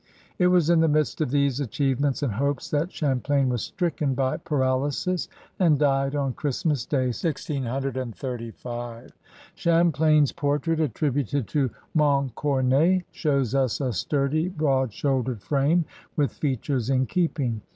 It was in the midst of these achievements and hopes that Champlain was stricken by paralysis and died on Christmas Day, 16S5. Champlain's portrait, attributed to Moncomet, shows us a sturdy, broad shouldered frame, with features in keeping.